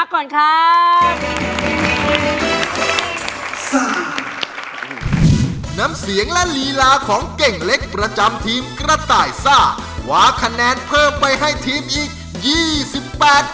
ขอเชิญน้องดีเทลไปพักก่อนครับ